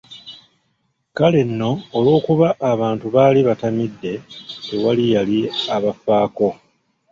Kale nno, olw'okuba abantu baali batamidde tewali yali abafaako.